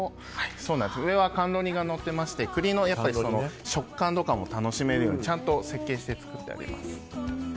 上は甘露煮がのっていまして栗の食感とかも楽しめるようにちゃんと設計して作ってあります。